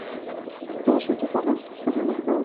প্রশ্নটা কি তোমার সাহায্য করার সাথে সম্পৃক্ত?